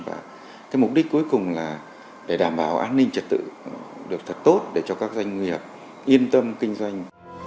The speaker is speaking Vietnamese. và cái mục đích cuối cùng là để đảm bảo an ninh trật tự được thật tốt để cho các doanh nghiệp yên tâm kinh doanh